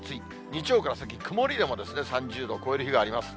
日曜から先、曇りでも３０度を超える日があります。